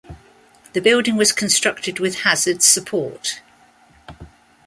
The building was constructed with Hazard support.